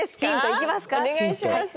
お願いします。